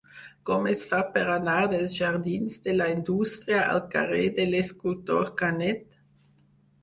Com es fa per anar dels jardins de la Indústria al carrer de l'Escultor Canet?